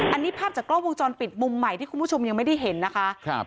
อันนี้ภาพจากกล้องวงจรปิดมุมใหม่ที่คุณผู้ชมยังไม่ได้เห็นนะคะ